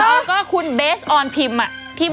แล้วก็คุณเบสออนพิมพ์